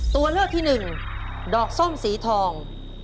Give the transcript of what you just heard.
ตัวเลือกที่๑ดอกส้มสีทอง